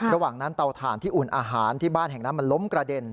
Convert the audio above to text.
ระหว่างนั้นเตาถ่านที่อุ่นอาหารที่บ้านแห่งนั้นมันล้มกระเด็น